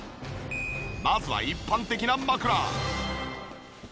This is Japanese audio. まずは一般的な枕。